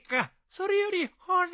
それよりほら。